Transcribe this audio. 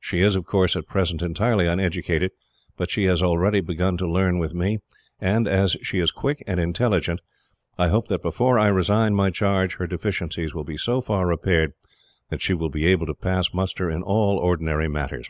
She is, of course, at present entirely uneducated, but she has already begun to learn with me, and as she is quick and intelligent I hope that, before I resign my charge, her deficiencies will be so far repaired that she will be able to pass muster, in all ordinary matters."